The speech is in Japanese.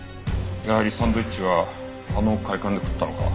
やはりサンドイッチはあの会館で食ったのか。